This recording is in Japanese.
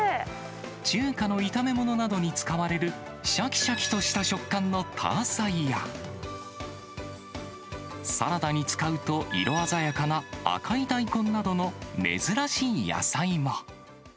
中華の炒め物などに使われるしゃきしゃきとした食感のターサイや、サラダに使うと色鮮やかな赤い大根などの珍しい野菜も。